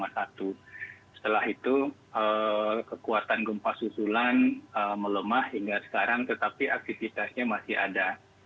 setelah itu kekuatan gempa susulan melemah hingga sekarang tetapi aktivitasnya masih ada